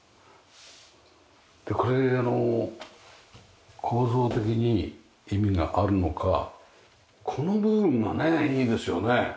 これあの構造的に意味があるのかこの部分がねいいですよね。